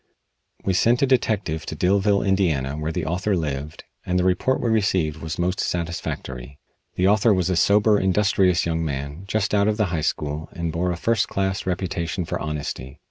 We sent a detective to Dillville, Indiana, where the author lived, and the report we received was most satisfactory. The author was a sober, industrious young man, just out of the high school, and bore a first class reputation for honesty.